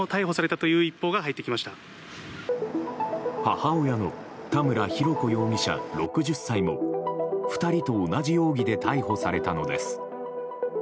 母親の田村浩子容疑者、６０歳も２人と同じ容疑で逮捕されたのです。